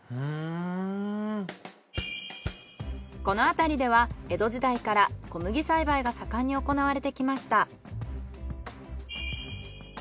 この辺りでは江戸時代から小麦栽培が盛んに行われてきました。